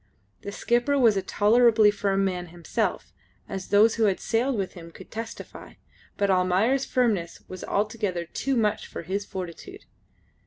The skipper was a tolerably firm man himself as those who had sailed with him could testify but Almayer's firmness was altogether too much for his fortitude.